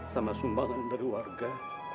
sama sumbangan dari warga